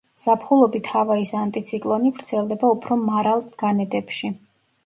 ზაფხულობით ჰავაის ანტიციკლონი ვრცელდება უფრო მარალ განედებში.